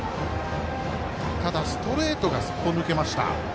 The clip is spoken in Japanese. ただ、ストレートがすっぽ抜けました。